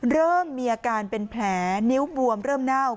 เริ่มมีอาการเป็นแผลนิ้วบวมเริ่มเน่า